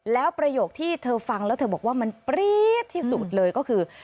แล้วประโยคที่เธอฟังแล้วเธอบอกว่ามันปรี๊ดที่สุดเลยก็คือ